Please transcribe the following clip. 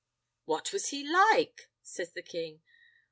"What was he like?" says the king.